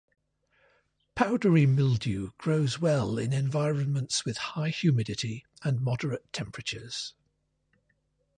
Powdery mildew grows well in environments with high humidity and moderate temperatures.